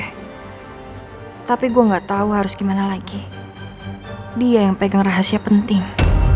hai tapi gua nggak tahu harus gimana lagi dia yang pegang rahasia penting